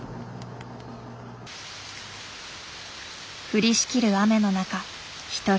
降りしきる雨の中一人。